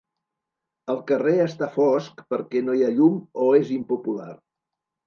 El carrer està fosc perquè no hi ha llum o és impopular.